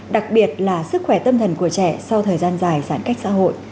đặc biệt là sức khỏe tâm thần của trẻ sau thời gian dài giãn cách xã hội